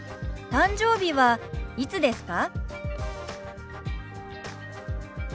誕生日はいつですか？